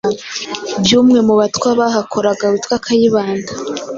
byumwe mu Batwa bahakoraga witwa Kayibanda.